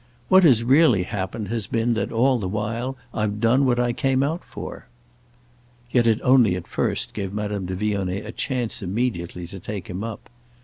"What has really happened has been that, all the while, I've done what I came out for." Yet it only at first gave Madame de Vionnet a chance immediately to take him up.